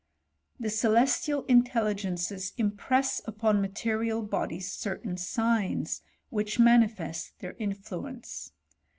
The celestial intelli .gences impress upon material bodies certain signs, which manifest their influence.